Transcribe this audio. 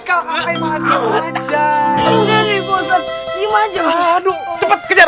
kau aja aja aduh cepet kejar